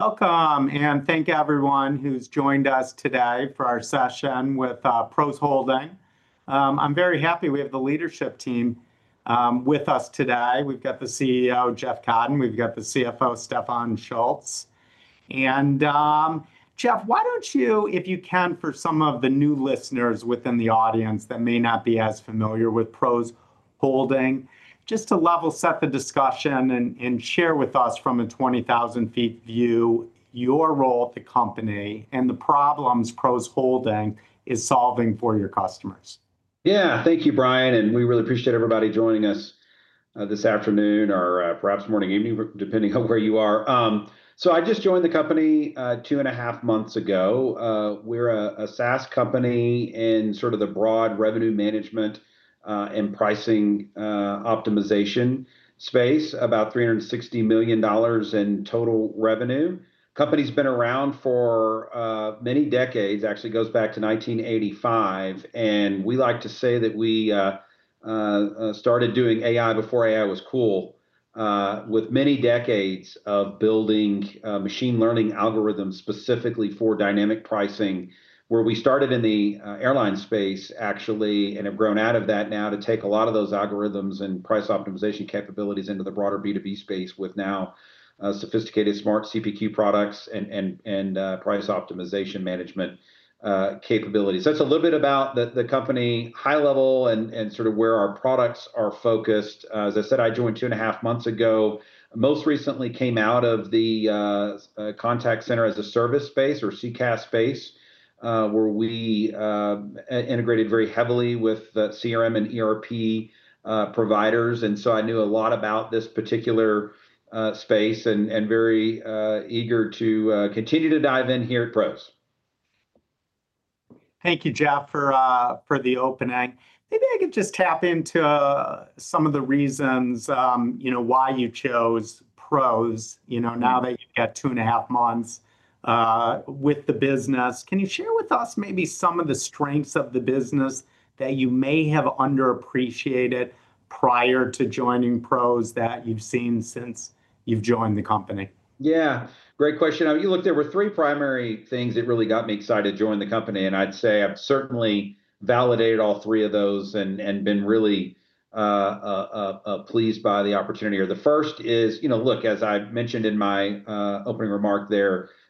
Welcome, and thank everyone who's joined us today for our session with PROS Holdings. I'm very happy we have the leadership team with us today. We've got the CEO, Jeff Cotten, and we've got the CFO, Stefan Schulz. Jeff, why don't you, if you can, for some of the new listeners within the audience that may not be as familiar with PROS Holdings, just to level set the discussion and share with us from a 20,000 feet view your role at the company and the problems PROS Holdings is solving for your customers. Yeah, thank you, Brian, and we really appreciate everybody joining us this afternoon or, perhaps morning or evening, depending on where you are. I just joined the company two and a half months ago. We're a SaaS company in sort of the broad revenue management and pricing optimization space, about $360 million in total revenue. Company's been around for many decades, actually goes back to 1985. We like to say that we started doing AI before AI was cool, with many decades of building machine learning algorithms specifically for dynamic pricing, where we started in the airline space, actually, and have grown out of that now to take a lot of those algorithms and price optimization capabilities into the broader B2B space with now sophisticated smart CPQ products and price optimization management capabilities. That's a little bit about the company high level and sort of where our products are focused. As I said, I joined two and a half months ago. Most recently came out of the contact center as a service space or CCaaS space, where we integrated very heavily with the CRM and ERP providers. I knew a lot about this particular space and am very eager to continue to dive in here at PROS. Thank you, Jeff, for the opening. Maybe I could just tap into some of the reasons why you chose PROS, you know, now that you've got two and a half months with the business. Can you share with us maybe some of the strengths of the business that you may have underappreciated prior to joining PROS that you've seen since you've joined the company? Yeah, great question. There were three primary things that really got me excited to join the company, and I'd say I've certainly validated all three of those and been really pleased by the opportunity here. The first is, as I mentioned in my opening remark,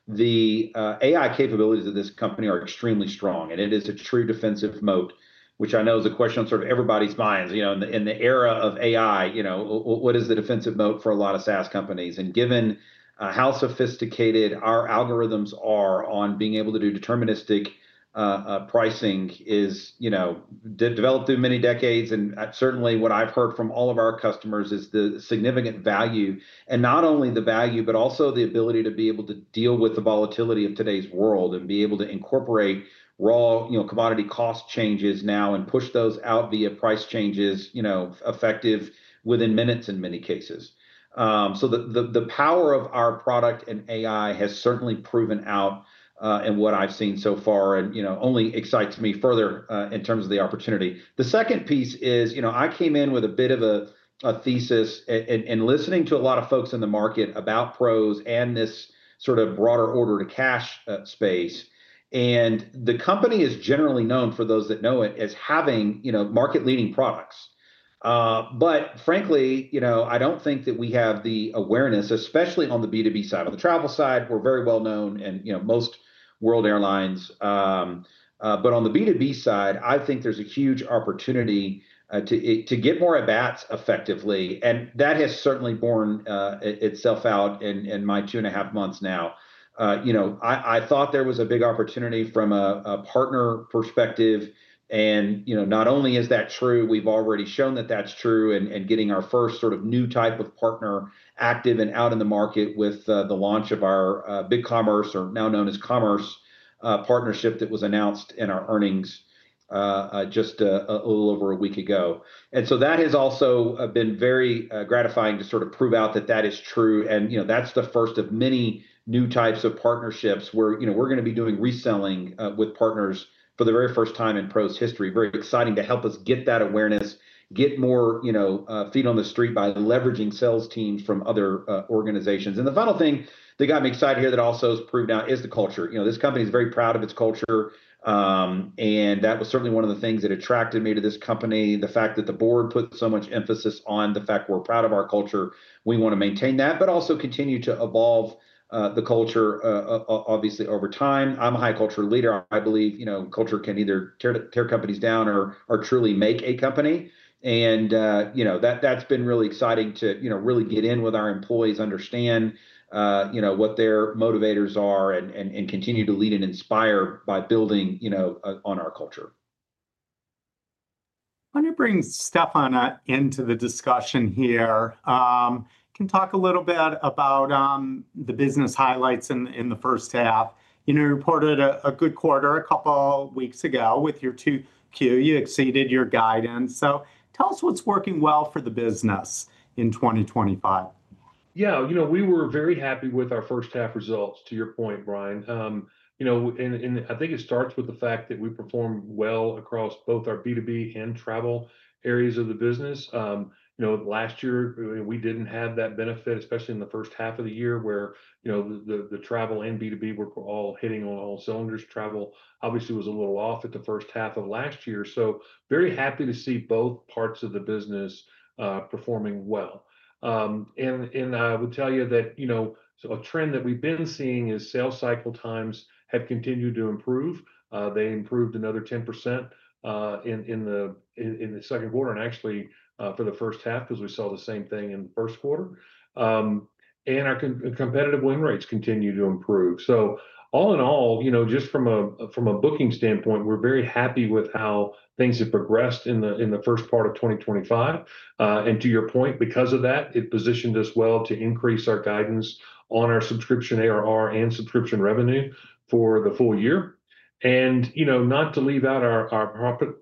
the AI capabilities of this company are extremely strong, and it is a true defensive moat, which I know is a question on sort of everybody's minds in the era of AI, what is the defensive moat for a lot of SaaS companies? Given how sophisticated our algorithms are on being able to do deterministic pricing, developed through many decades, what I've heard from all of our customers is the significant value, and not only the value, but also the ability to be able to deal with the volatility of today's world and incorporate raw commodity cost changes now and push those out via price changes, effective within minutes in many cases. The power of our product and AI has certainly proven out in what I've seen so far and only excites me further in terms of the opportunity. The second piece is, I came in with a bit of a thesis and listening to a lot of folks in the market about PROS and this sort of broader order to cash space. The company is generally known for those that know it as having market leading products, but frankly, I don't think that we have the awareness, especially on the B2B side. On the travel side, we're very well-known and most world airlines, but on the B2B side, I think there's a huge opportunity to get more at bats effectively. That has certainly borne itself out in my two and a half months now. I thought there was a big opportunity from a partner perspective, and not only is that true, we've already shown that that's true and getting our first sort of new type of partner active and out in the market with the launch of our BigCommerce, or now known as Commerce, partnership that was announced in our earnings just a little over a week ago. That has also been very gratifying to prove out that that is true, and that's the first of many new types of partnerships where we're going to be doing reselling with partners for the very first time in PROS history. Very exciting to help us get that awareness, get more, you know, feet on the street by leveraging sales teams from other organizations. The final thing that got me excited here that also has proved out is the culture. This company is very proud of its culture, and that was certainly one of the things that attracted me to this company, the fact that the Board put so much emphasis on the fact we're proud of our culture. We want to maintain that, but also continue to evolve the culture, obviously over time. I'm a high culture leader. I believe culture can either tear companies down or truly make a company. That's been really exciting to really get in with our employees, understand what their motivators are, and continue to lead and inspire by building on our culture. I want to bring Stefan into the discussion here. Can you talk a little bit about the business highlights in the first half? You know, you reported a good quarter a couple weeks ago with your 2Q. You exceeded your guidance. Tell us what's working well for the business in 2025. Yeah, you know, we were very happy with our first half results, to your point, Brian. I think it starts with the fact that we perform well across both our B2B and travel areas of the business. Last year we didn't have that benefit, especially in the first half of the year where the travel and B2B were all hitting on all cylinders. Travel obviously was a little off at the first half of last year. Very happy to see both parts of the business performing well. I would tell you that a trend that we've been seeing is sales cycle times have continued to improve. They improved another 10% in the second quarter and actually for the first half because we sell the same thing in the first quarter. Our competitive win rates continue to improve. All in all, just from a booking standpoint, we're very happy with how things have progressed in the first part of 2025. To your point, because of that, it positioned us well to increase our guidance on our subscription ARR and subscription revenue for the full year. Not to leave out our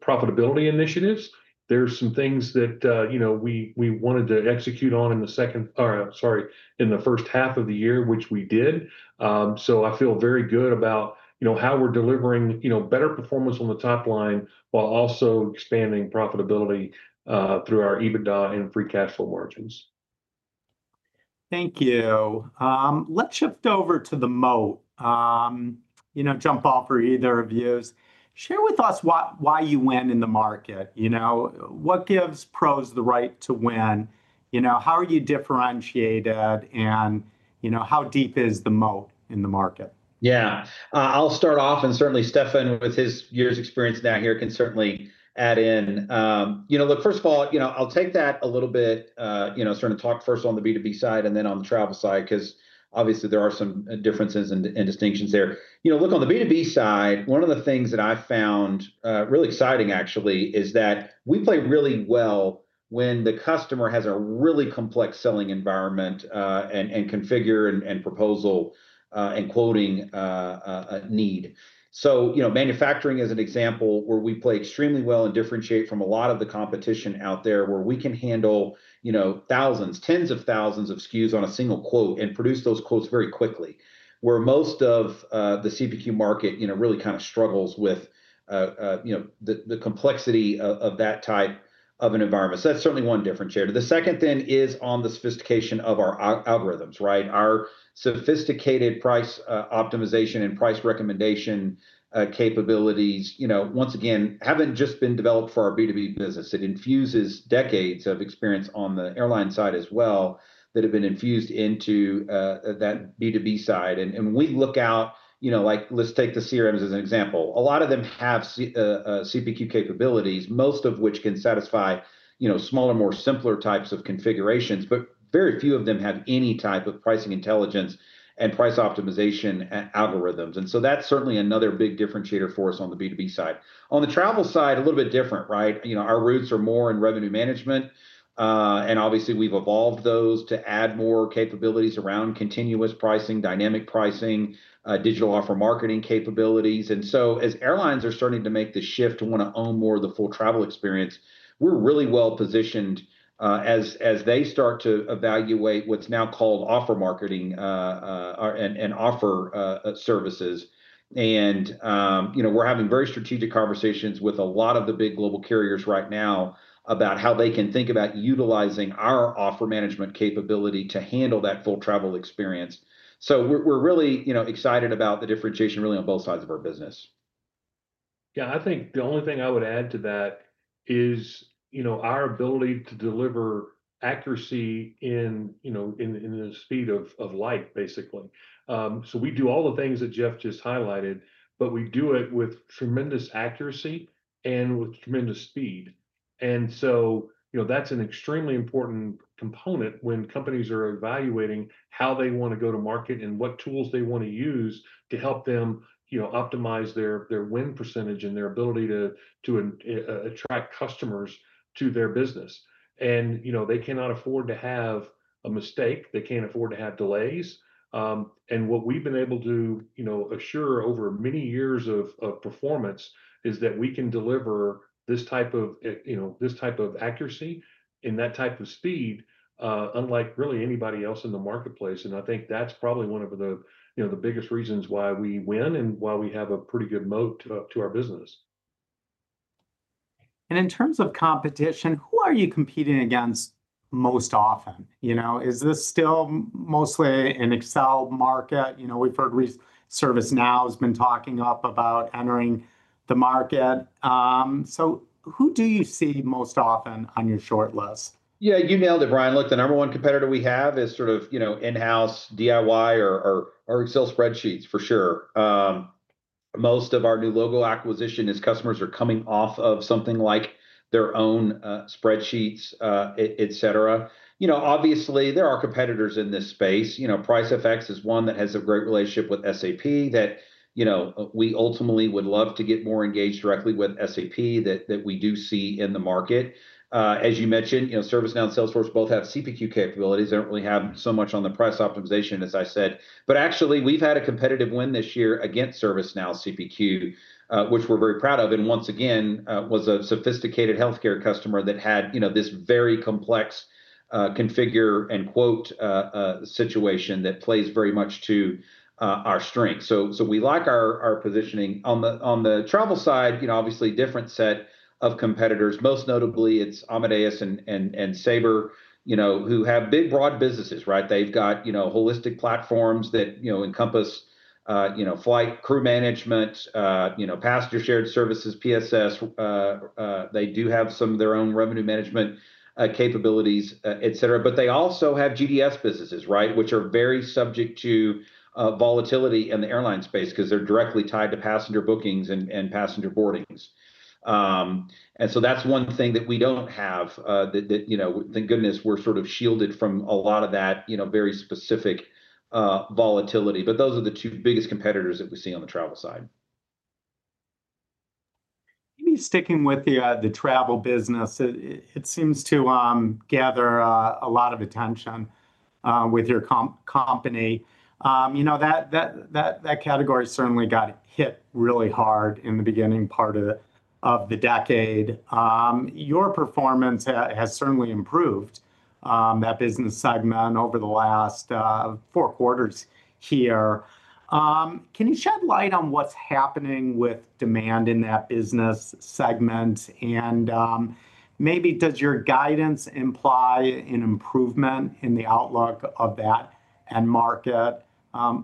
profitability initiatives, there's some things that we wanted to execute on in the first half of the year, which we did. I feel very good about how we're delivering better performance on the top line while also expanding profitability through our EBITDA and free cash flow margins. Thank you. Let's shift over to the moat. Jump off for either of you. Share with us why you win in the market. What gives PROS the right to win? How are you differentiated, and how deep is the moat in the market? Yeah, I'll start off and certainly Stefan, with his years of experience now here, can certainly add in. First of all, I'll take that a little bit, sort of talk first on the B2B side and then on the travel side because obviously there are some differences and distinctions there. On the B2B side, one of the things that I found really exciting, actually, is that we play really well when the customer has a really complex selling environment and configure and proposal and quoting need. Manufacturing is an example where we play extremely well and differentiate from a lot of the competition out there where we can handle thousands, tens of thousands of SKUs on a single quote and produce those quotes very quickly. Most of the CPQ market really kind of struggles with the complexity of that type of an environment. That's certainly one differentiator. The second thing is on the sophistication of our algorithms. Our sophisticated price optimization and price recommendation capabilities, once again, haven't just been developed for our B2B business. It infuses decades of experience on the airline side as well that have been infused into that B2B side. Let's take the CRMs as an example. A lot of them have CPQ capabilities, most of which can satisfy smaller, more simpler types of configurations, but very few of them have any type of pricing intelligence and price optimization algorithms. That's certainly another big differentiator for us on the B2B side. On the travel side, a little bit different. Our roots are more in revenue management and obviously we've evolved those to add more capabilities around continuous pricing, dynamic pricing, digital offer marketing capabilities. As airlines are starting to make the shift to want to own more of the full travel experience, we're really well-positioned as they start to evaluate what's now called offer marketing and offer services. We're having very strategic conversations with a lot of the big global carriers right now about how they can think about utilizing our offer management capability to handle that full travel experience. We're really excited about the differentiation really on both sides of our business. I think the only thing I would add to that is our ability to deliver accuracy in, you know, in the speed of light, basically. We do all the things that Jeff just highlighted, but we do it with tremendous accuracy and with tremendous speed. That's an extremely important component when companies are evaluating how they want to go to market and what tools they want to use to help them optimize their win percentage and their ability to attract customers to their business. They cannot afford to have a mistake. They can't afford to have delays. What we've been able to assure over many years of performance is that we can deliver this type of accuracy and that type of speed, unlike really anybody else in the marketplace. I think that's probably one of the biggest reasons why we win and why we have a pretty good moat to our business. In terms of competition, who are you competing against most often? Is this still mostly an Excel market? We've heard ServiceNow has been talking up about entering the market. Who do you see most often on your shortlist? Yeah, you nailed it, Brian. Look, the number one competitor we have is sort of, you know, in-house DIY or Excel spreadsheets for sure. Most of our new logo acquisition is customers are coming off of something like their own spreadsheets, etc. You know, obviously there are competitors in this space. Pricefx is one that has a great relationship with SAP that, you know, we ultimately would love to get more engaged directly with SAP that we do see in the market. As you mentioned, you know, ServiceNow and Salesforce both have CPQ capabilities. They don't really have so much on the price optimization, as I said. Actually, we've had a competitive win this year against ServiceNow CPQ, which we're very proud of. Once again, it was a sophisticated healthcare customer that had, you know, this very complex configure and quote situation that plays very much to our strength. We like our positioning. On the travel side, obviously a different set of competitors. Most notably, it's Amadeus and Sabre, who have big broad businesses, right? They've got, you know, holistic platforms that encompass, you know, flight crew management, passenger shared services, PSS, they do have some of their own revenue management capabilities, etc. They also have GDS businesses, which are very subject to volatility in the airline space because they're directly tied to passenger bookings and passenger boardings. That's one thing that we don't have, that, you know, thank goodness we're sort of shielded from a lot of that very specific volatility. Those are the two biggest competitors that we see on the travel side. Maybe sticking with the travel business, it seems to gather a lot of attention with your company. That category certainly got hit really hard in the beginning part of the decade. Your performance has certainly improved that business segment over the last four quarters here. Can you shed light on what's happening with demand in that business segment? Maybe does your guidance imply an improvement in the outlook of that end market?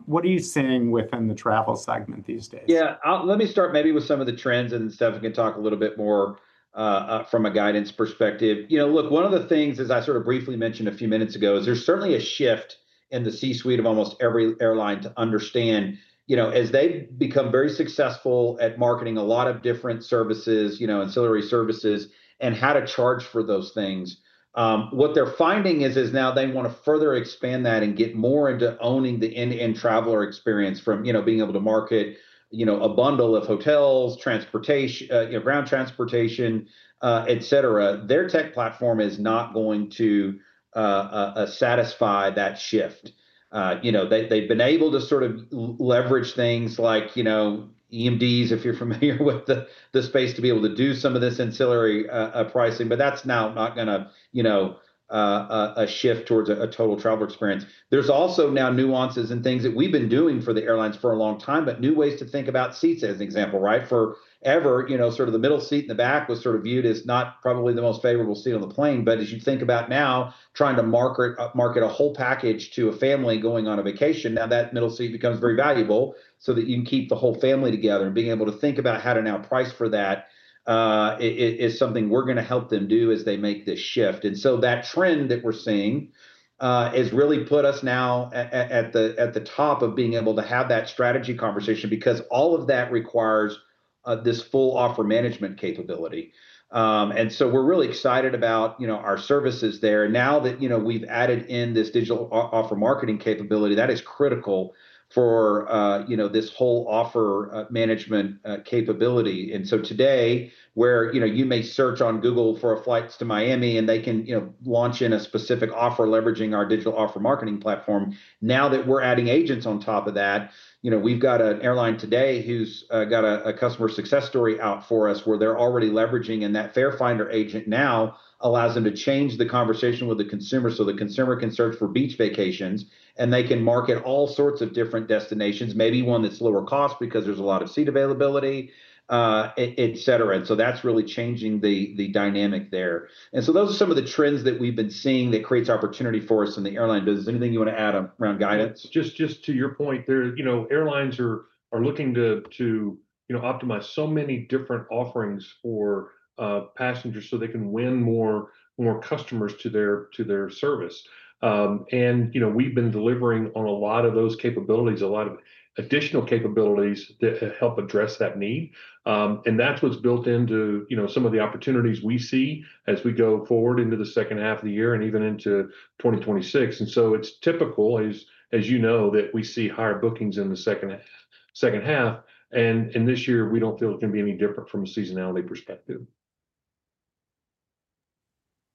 What are you seeing within the travel segment these days? Yeah, let me start maybe with some of the trends and Stefan can talk a little bit more, from a guidance perspective. You know, look, one of the things, as I sort of briefly mentioned a few minutes ago, is there's certainly a shift in the C-suite of almost every airline to understand, you know, as they've become very successful at marketing a lot of different services, you know, ancillary services, and how to charge for those things. What they're finding is now they want to further expand that and get more into owning the end-to-end traveler experience from, you know, being able to market, you know, a bundle of hotels, transportation, ground transportation, etc. Their tech platform is not going to satisfy that shift. You know, they've been able to sort of leverage things like, you know, EMDs, if you're familiar with the space, to be able to do some of this ancillary pricing, but that's now not going to a shift towards a total travel experience. There's also now nuances and things that we've been doing for the airlines for a long time, but new ways to think about seats, as an example, right? Forever, you know, sort of the middle seat in the back was sort of viewed as not probably the most favorable seat on the plane. As you think about now, trying to market a whole package to a family going on a vacation, now that middle seat becomes very valuable so that you can keep the whole family together. Being able to think about how to now price for that is something we're going to help them do as they make this shift. That trend that we're seeing has really put us now at the top of being able to have that strategy conversation because all of that requires this full offer management capability. We're really excited about our services there. Now that we've added in this digital offer marketing capability, that is critical for this whole offer management capability. Today, where you may search on Google for flights to Miami and they can launch a specific offer leveraging our digital offer marketing platform. Now that we're adding agents on top of that, we've got an airline today who's got a customer success story out for us where they're already leveraging, and that Fare Finder Agent now allows them to change the conversation with the consumer so the consumer can search for beach vacations and they can market all sorts of different destinations, maybe one that's lower cost because there's a lot of seat availability, etc. That's really changing the dynamic there. Those are some of the trends that we've been seeing that create opportunity for us in the airline. Does anything you want to add around guidance? To your point there, you know, airlines are looking to, you know, optimize so many different offerings for passengers so they can win more customers to their service. We've been delivering on a lot of those capabilities, a lot of additional capabilities that help address that need. That's what's built into some of the opportunities we see as we go forward into the second half of the year and even into 2026. It's typical, as you know, that we see higher bookings in the second half. This year we don't feel it can be any different from a seasonality perspective.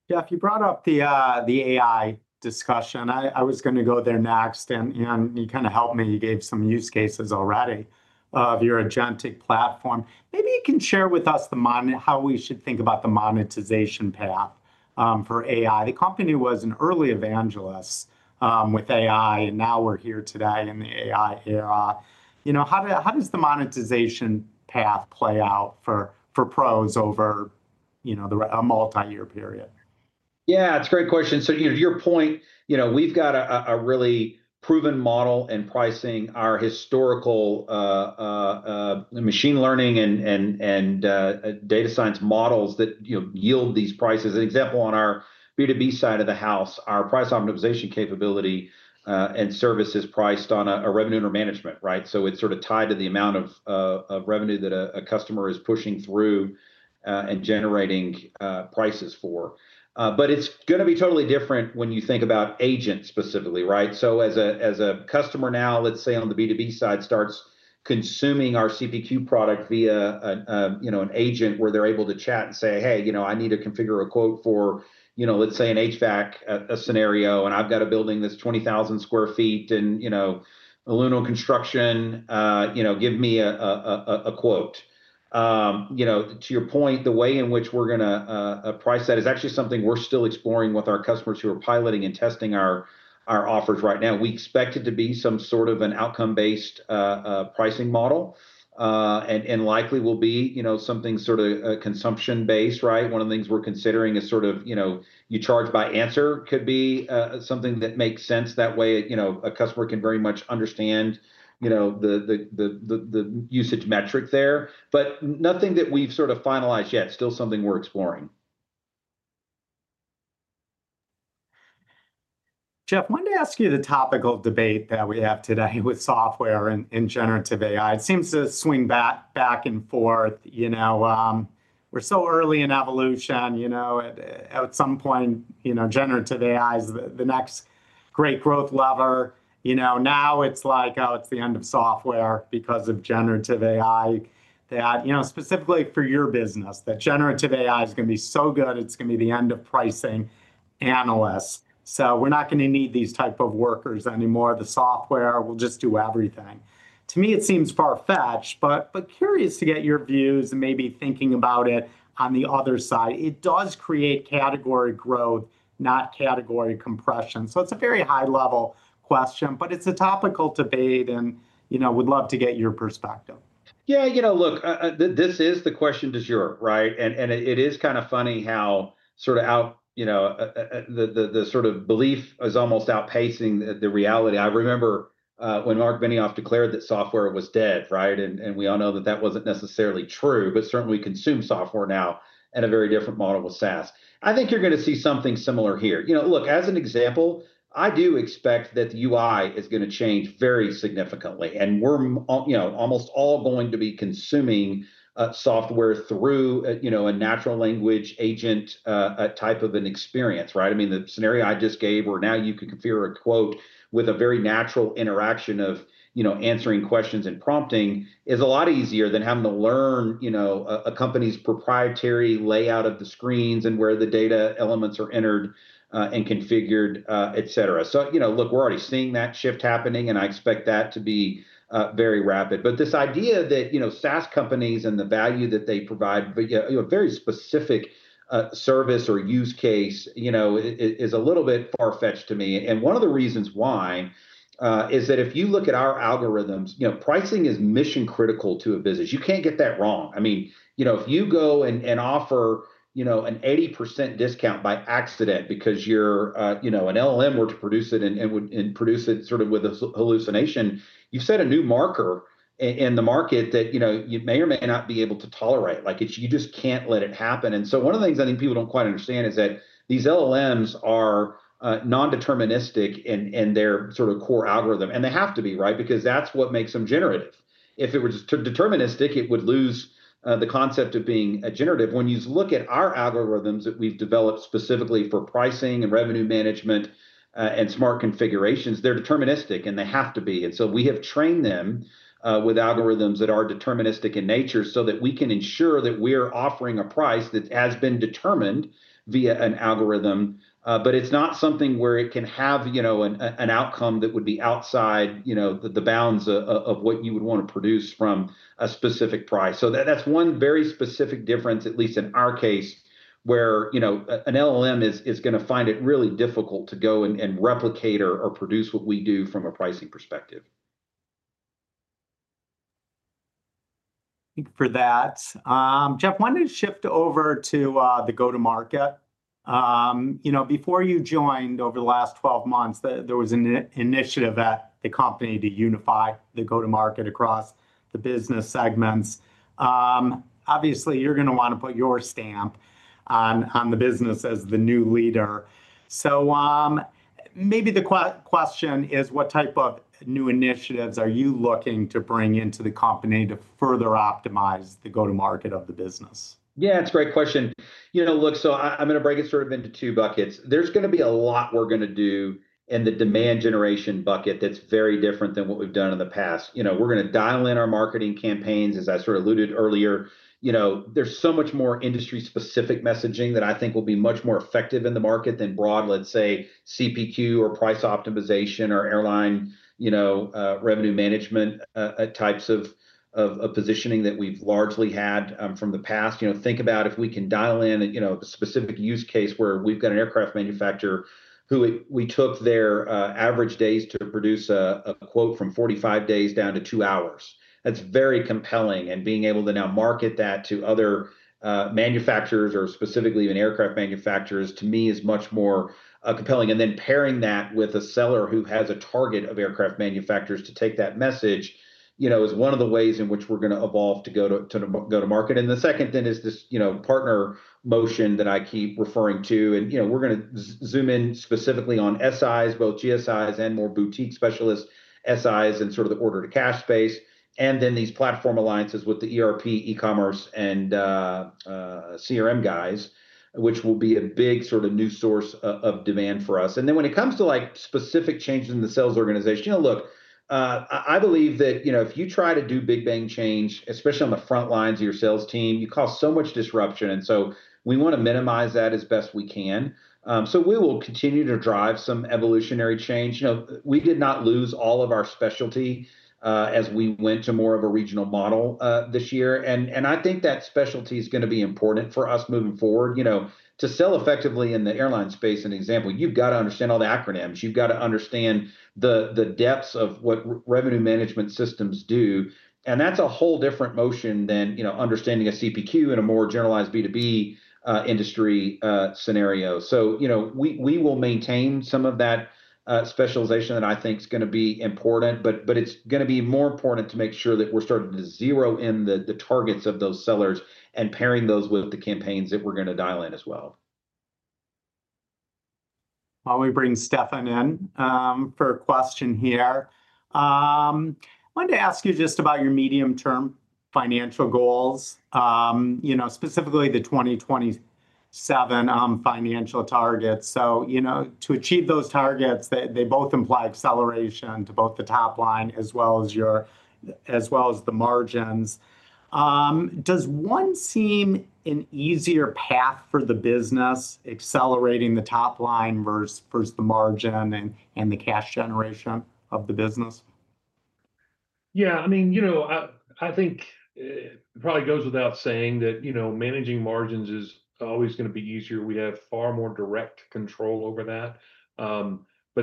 Yeah, you brought up the AI discussion. I was going to go there next. You kind of helped me. You gave some use cases already of your agentic platform. Maybe you can share with us how we should think about the monetization path for AI. The company was an early evangelist with AI, and now we're here today in the AI era. How does the monetization path play out for PROS over a multi-year period? Yeah, it's a great question. To your point, we've got a really proven model in pricing our historical machine learning and data science models that yield these prices. An example on our B2B side of the house, our price optimization capability and service is priced on a revenue under management, right? It is sort of tied to the amount of revenue that a customer is pushing through and generating prices for. It is going to be totally different when you think about agents specifically, right? As a customer now, let's say on the B2B side, starts consuming our CPQ product via an agent where they're able to chat and say, "Hey, I need to configure a quote for, let's say, an HVAC scenario, and I've got a building that's 20,000 sq ft and aluminum construction, give me a quote." To your point, the way in which we're going to price that is actually something we're still exploring with our customers who are piloting and testing our offers right now. We expect it to be some sort of an outcome-based pricing model, and likely will be something sort of consumption-based, right? One of the things we're considering is, you charge by answer could be something that makes sense. That way, a customer can very much understand the usage metric there. Nothing that we've finalized yet. Still something we're exploring. Jeff, I wanted to ask you the topical debate that we have today with software and generative AI. It seems to swing back and forth. We're so early in evolution. At some point, generative AI is the next great growth lever. Now it's like, oh, it's the end of software because of generative AI that, specifically for your business, generative AI is going to be so good, it's going to be the end of pricing analysts. We're not going to need these types of workers anymore. The software will just do everything. To me, it seems far-fetched, but curious to get your views and maybe thinking about it on the other side. It does create category growth, not category compression. It's a very high-level question, but it's a topical debate and would love to get your perspective. Yeah, you know, look, this is the question de jour, right? It is kind of funny how sort of out, you know, the sort of belief is almost outpacing the reality. I remember when Marc Benioff declared that software was dead, right? We all know that that wasn't necessarily true, but certainly we consume software now in a very different model with SaaS. I think you're going to see something similar here. As an example, I do expect that the UI is going to change very significantly. We're almost all going to be consuming software through a natural language agent type of an experience, right? I mean, the scenario I just gave where now you can configure a quote with a very natural interaction of answering questions and prompting is a lot easier than having to learn a company's proprietary layout of the screens and where the data elements are entered and configured, etc. We're already seeing that shift happening, and I expect that to be very rapid. This idea that SaaS companies and the value that they provide, but a very specific service or use case, is a little bit far-fetched to me. One of the reasons why is that if you look at our algorithms, pricing is mission-critical to a business. You can't get that wrong. I mean, if you go and offer an 80% discount by accident because an LLM were to produce it and produce it with a hallucination, you've set a new marker in the market that you may or may not be able to tolerate. You just can't let it happen. One of the things I think people don't quite understand is that these LLMs are non-deterministic in their core algorithm. They have to be, right? Because that's what makes them generative. If it were just too deterministic, it would lose the concept of being generative. When you look at our algorithms that we've developed specifically for pricing and revenue management and smart configurations, they're deterministic and they have to be. We have trained them with algorithms that are deterministic in nature so that we can ensure that we're offering a price that has been determined via an algorithm. It's not something where it can have an outcome that would be outside the bounds of what you would want to produce from a specific price. That's one very specific difference, at least in our case, where an LLM is going to find it really difficult to go and replicate or produce what we do from a pricing perspective. Thank you for that. Jeff, I wanted to shift over to the go-to-market. Before you joined over the last 12 months, there was an initiative at the company to unify the go-to-market across the business segments. Obviously, you're going to want to put your stamp on the business as the new leader. Maybe the question is, what type of new initiatives are you looking to bring into the company to further optimize the go-to-market of the business? Yeah, it's a great question. Look, I'm going to break it sort of into two buckets. There's going to be a lot we're going to do in the demand generation bucket that's very different than what we've done in the past. We're going to dial in our marketing campaigns, as I sort of alluded earlier. There's so much more industry-specific messaging that I think will be much more effective in the market than broad, let's say, CPQ or price optimization or airline revenue management types of positioning that we've largely had from the past. Think about if we can dial in a specific use case where we've got an aircraft manufacturer who we took their average days to produce a quote from 45 days down to two hours. That's very compelling. Being able to now market that to other manufacturers or specifically even aircraft manufacturers, to me, is much more compelling. Pairing that with a seller who has a target of aircraft manufacturers to take that message is one of the ways in which we're going to evolve to go to market. The second thing is this partner motion that I keep referring to. We're going to zoom in specifically on SIs, both GSIs and more boutique specialist SIs in the order-to-cash space. These platform alliances with the ERP, e-commerce, and CRM guys will be a big new source of demand for us. When it comes to specific changes in the sales organization, I believe that if you try to do big bang change, especially on the front lines of your sales team, you cause so much disruption. We want to minimize that as best we can, so we will continue to drive some evolutionary change. We did not lose all of our specialty as we went to more of a regional model this year, and I think that specialty is going to be important for us moving forward. To sell effectively in the airline space, for example, you've got to understand all the acronyms. You've got to understand the depths of what revenue management systems do. That's a whole different motion than understanding a CPQ in a more generalized B2B industry scenario. We will maintain some of that specialization that I think is going to be important, but it's going to be more important to make sure that we're starting to zero in the targets of those sellers and pairing those with the campaigns that we're going to dial in as well. While we bring Stefan in for a question here, I wanted to ask you just about your medium-term financial goals, specifically the 2027 financial targets. To achieve those targets, they both imply acceleration to both the top line as well as the margins. Does one seem an easier path for the business, accelerating the top line versus the margin and the cash generation of the business? Yeah, I mean, I think it probably goes without saying that managing margins is always going to be easier. We'd have far more direct control over that.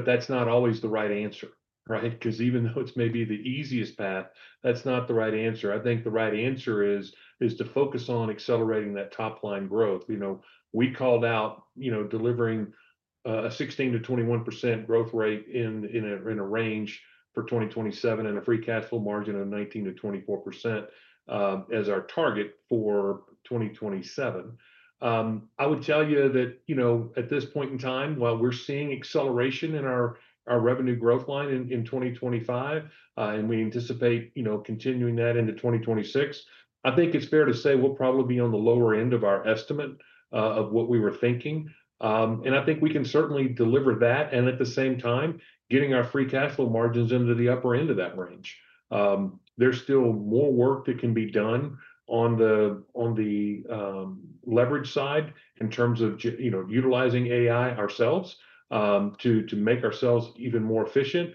That's not always the right answer, right? Because even though it's maybe the easiest path, that's not the right answer. I think the right answer is to focus on accelerating that top line growth. We called out delivering a 16%-21% growth rate in a range for 2027 and a free cash flow margin of 19%-24% as our target for 2027. I would tell you that at this point in time, while we're seeing acceleration in our revenue growth line in 2025, and we anticipate continuing that into 2026, I think it's fair to say we'll probably be on the lower end of our estimate of what we were thinking. I think we can certainly deliver that. At the same time, getting our free cash flow margins into the upper end of that range. There's still more work that can be done on the leverage side in terms of utilizing AI ourselves to make ourselves even more efficient,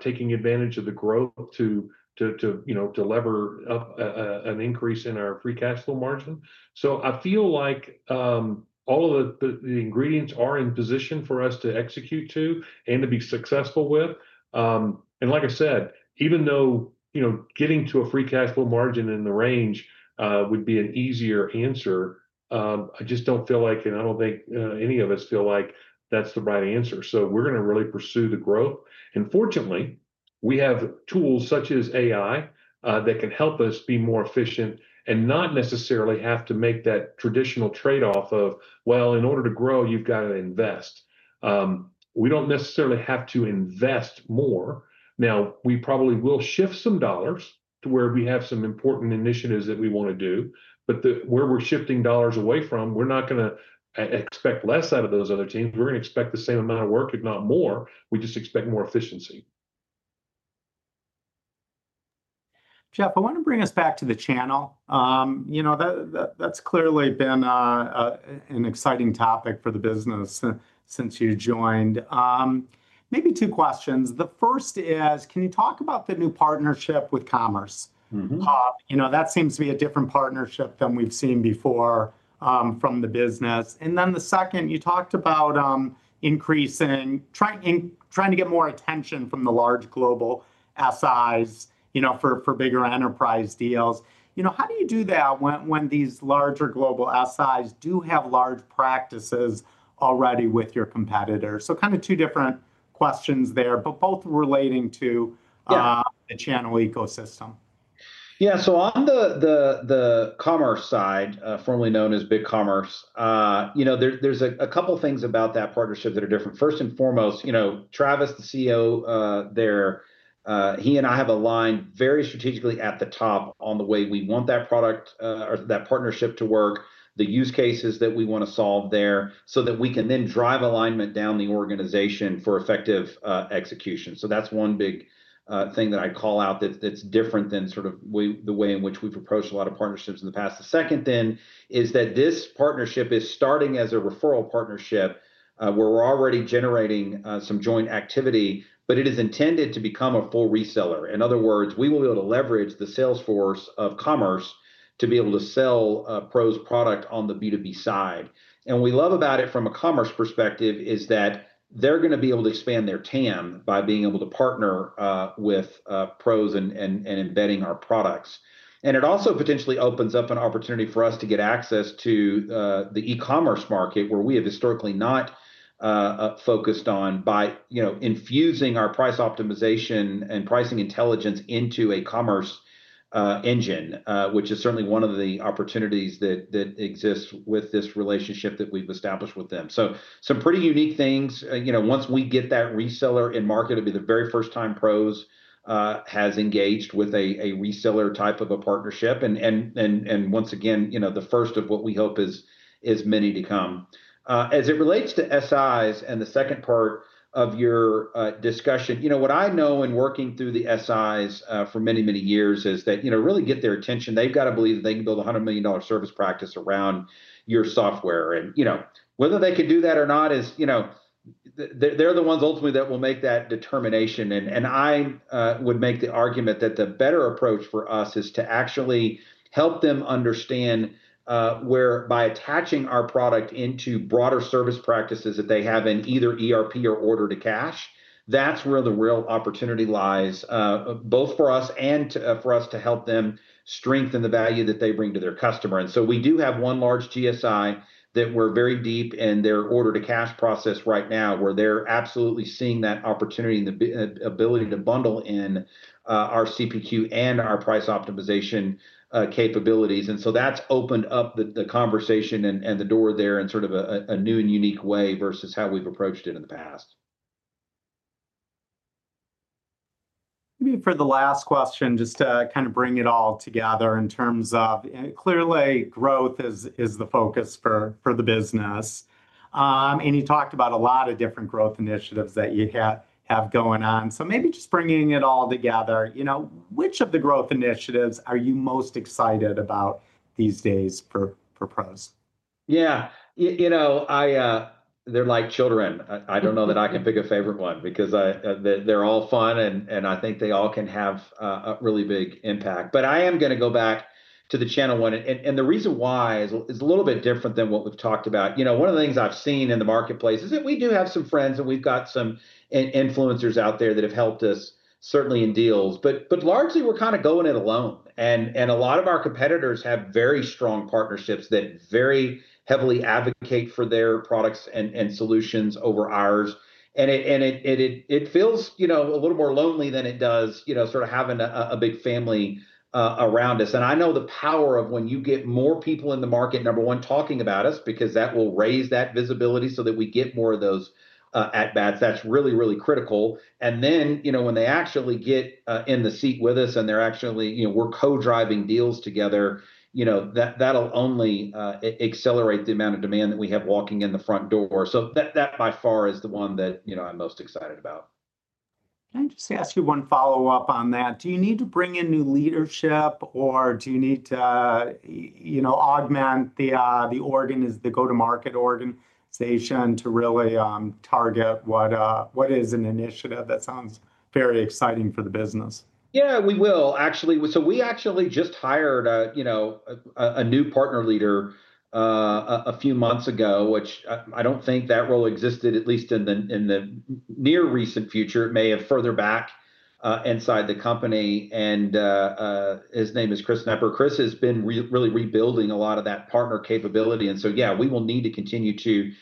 taking advantage of the growth to lever up an increase in our free cash flow margin. I feel like all of the ingredients are in position for us to execute to and to be successful with. Like I said, even though getting to a free cash flow margin in the range would be an easier answer, I just don't feel like, and I don't think any of us feel like that's the right answer. We're going to really pursue the growth. Fortunately, we have tools such as AI that can help us be more efficient and not necessarily have to make that traditional trade-off of, well, in order to grow, you've got to invest. We don't necessarily have to invest more. Now, we probably will shift some dollars to where we have some important initiatives that we want to do. Where we're shifting dollars away from, we're not going to expect less out of those other teams. We're going to expect the same amount of work, if not more. We just expect more efficiency. Jeff, I want to bring us back to the channel. That's clearly been an exciting topic for the business since you joined. Maybe two questions. The first is, can you talk about the new partnership with Commerce? That seems to be a different partnership than we've seen before from the business. The second, you talked about increasing, trying to get more attention from the large global SIs for bigger enterprise deals. How do you do that when these larger global SIs do have large practices already with your competitors? Kind of two different questions there, but both relating to a channel ecosystem. Yeah, on the Commerce side, formerly known as BigCommerce, there are a couple of things about that partnership that are different. First and foremost, Travis, the CEO there, he and I have aligned very strategically at the top on the way we want that product or that partnership to work, the use cases that we want to solve there so that we can then drive alignment down the organization for effective execution. That is one big thing that I call out that's different than the way in which we've approached a lot of partnerships in the past. The second thing is that this partnership is starting as a referral partnership where we're already generating some joint activity, but it is intended to become a full reseller. In other words, we will be able to leverage the sales force of Commerce to be able to sell PROS' product on the B2B side. What we love about it from a Commerce perspective is that they're going to be able to expand their TAM by being able to partner with PROS and embedding our products. It also potentially opens up an opportunity for us to get access to the e-commerce market where we have historically not focused on by infusing our price optimization and pricing intelligence into a Commerce engine, which is certainly one of the opportunities that exists with this relationship that we've established with them. There are some pretty unique things. Once we get that reseller in market, it'll be the very first time PROS has engaged with a reseller type of a partnership. Once again, the first of what we hope is many to come. As it relates to SIs and the second part of your discussion, what I know in working through the SIs for many, many years is that to really get their attention, they've got to believe that they can build a $100 million service practice around your software. Whether they can do that or not, they're the ones ultimately that will make that determination. I would make the argument that the better approach for us is to actually help them understand where, by attaching our product into broader service practices that they have in either ERP or order to cash, that's where the real opportunity lies, both for us and for us to help them strengthen the value that they bring to their customer. We do have one large GSI that we're very deep in their order to cash process right now, where they're absolutely seeing that opportunity and the ability to bundle in our CPQ and our price optimization capabilities. That has opened up the conversation and the door there in a new and unique way versus how we've approached it in the past. Maybe for the last question, just to kind of bring it all together in terms of clearly growth is the focus for the business. You talked about a lot of different growth initiatives that you have going on. Maybe just bringing it all together, you know, which of the growth initiatives are you most excited about these days for PROS? Yeah, you know, they're like children. I don't know that I could pick a favorite one because they're all fun and I think they all can have a really big impact. I am going to go back to the channel one. The reason why is a little bit different than what we've talked about. One of the things I've seen in the marketplace is that we do have some friends and we've got some influencers out there that have helped us certainly in deals. Largely, we're kind of going it alone. A lot of our competitors have very strong partnerships that very heavily advocate for their products and solutions over ours. It feels a little more lonely than it does sort of having a big family around us. I know the power of when you get more people in the market, number one, talking about us because that will raise that visibility so that we get more of those at-bats. That's really, really critical. When they actually get in the seat with us and they're actually, you know, we're co-driving deals together, that'll only accelerate the amount of demand that we have walking in the front door. That by far is the one that I'm most excited about. Can I just ask you one follow-up on that? Do you need to bring in new leadership or do you need to augment the go-to-market organization to really target what is an initiative that sounds very exciting for the business? Yeah, we will actually. We actually just hired a new partner leader a few months ago, which I don't think that role existed at least in the near recent future. It may have further back inside the company. His name is Chris Knepper. Chris has been really rebuilding a lot of that partner capability. We will need to continue to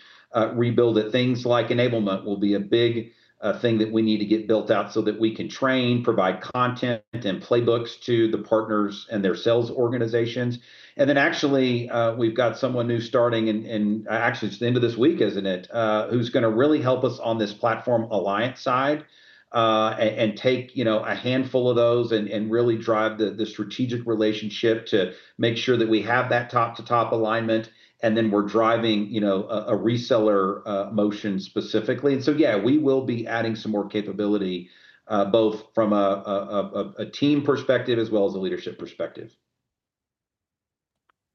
rebuild it. Things like enablement will be a big thing that we need to get built out so that we can train, provide content and playbooks to the partners and their sales organizations. We've got someone new starting at the end of this week, isn't it, who's going to really help us on this platform alliance side and take a handful of those and really drive the strategic relationship to make sure that we have that top-to-top alignment. We're driving a reseller motion specifically. We will be adding some more capability, both from a team perspective as well as a leadership perspective.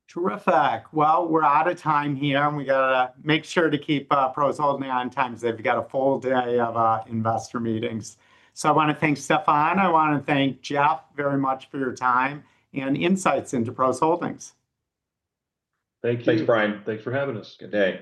Terrific. We're out of time here and we have to make sure to keep PROS Holdings on time because they've got a full day of investor meetings. I want to thank Stefan. I want to thank Jeff very much for your time and insights into PROS Holdings. Thank you. Thanks, Brian. Thanks for having us. Good day.